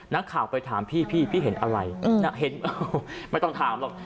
นักข่าวไปถามพี่พี่เห็นอะไรเห็นไม่ต้องถามหรอก